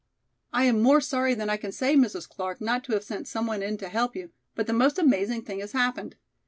"I am more sorry than I can say, Mrs. Clark, not to have sent some one in to help you, but the most amazing thing has happened.